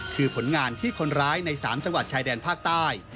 คือผลงานที่คนร้ายใน๓จังหวัดชายแดนภาคใต้